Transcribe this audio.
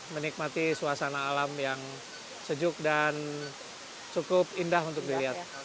menikmati suasana alam yang sejuk dan cukup indah untuk dilihat